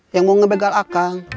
yang mau ngebegal akang